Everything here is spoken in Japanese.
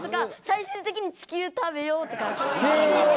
最終的に「地球食べよう」とかそういう。